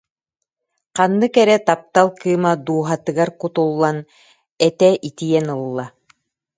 Ханнык эрэ таптал кыыма дууһатыгар кутуллан, этэ итийэн ылла